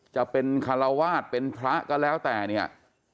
จะเป็นคาราวาสเป็นพระก็แล้วแต่เนี่ย